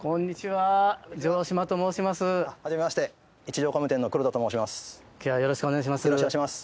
はじめまして一条工務店の黒田と申します。